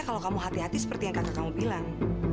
kalau kamu hati hati seperti yang kakak kamu bilang